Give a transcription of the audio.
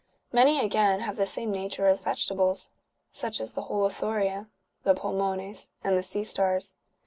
Many, again, have the same nature as vegetables ; such as the holothuria,^^ the pulmones,^" and the sea stars.